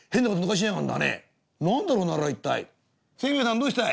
清兵衛さんどうしたい？